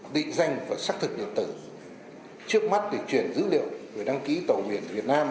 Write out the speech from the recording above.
định danh và xác thực điện tử trước mắt để chuyển dữ liệu về đăng ký tàu huyền việt nam